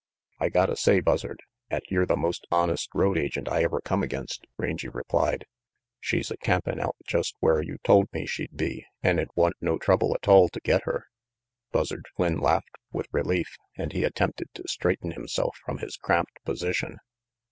"I gotta say, Buzzard, 'at yer the most honest road agent I ever come against," Rangy replied. 4 * She's a campin' out just where you told me she'd be, an' it wa'n't no trouble atoll to get her ' Buzzard Flynn laughed with relief, and he attempted to straighten himself from his cramped position.